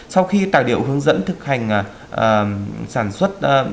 sau khi tài liệu hướng dẫn thực hành sản xuất